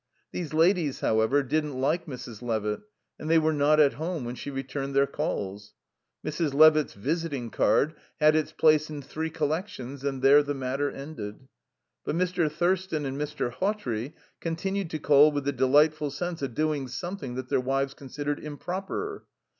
These ladies, however, didn't like Mrs. Levitt, and they were not at home when she returned their calls. Mrs. Levitt's visiting card had its place in three collections and there the matter ended. But Mr. Thurston and Mr. Hawtrey continued to call with a delightful sense of doing something that their wives considered improper.